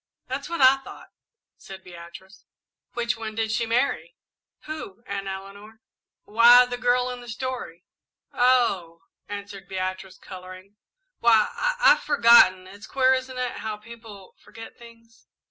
"That's what I thought," said Beatrice. "Which one did she marry?" "Who, Aunt Eleanor?" "Why, the girl in the story?" "Oh," answered Beatrice, colouring; "why, I I've forgotten. It's queer, isn't it, how people forget things?"